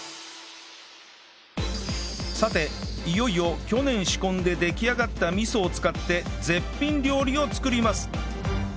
さていよいよ去年仕込んで出来上がった味噌を使って絶品料理を作ります